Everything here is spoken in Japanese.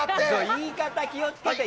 言い方気を付けて！